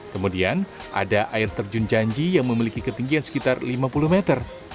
kemudian ada air terjun janji yang memiliki ketinggian sekitar lima puluh meter